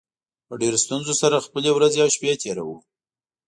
په ډېرو ستونزو سره خپلې ورځې او شپې تېروو